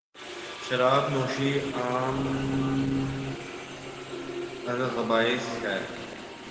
شراب نوشی ام الخبائث ہےـ